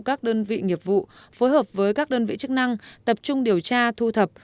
các đơn vị nghiệp vụ phối hợp với các đơn vị chức năng tập trung điều tra thu thập